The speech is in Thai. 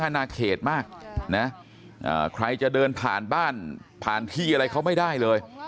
นาเขตมากนะใครจะเดินผ่านบ้านผ่านที่อะไรเขาไม่ได้เลย